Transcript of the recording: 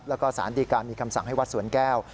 แล้วก็สารดีการมีคำสั่งให้วัดสวนแก้ว